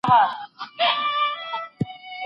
افغان ځوانان باید خپله تاریخي مخینه وپېژني.